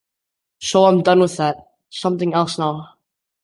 So, I'm done with that, something else now.